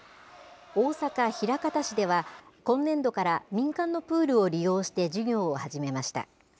大阪・枚方市では、今年度から民間のプールを利用して授業を始めました。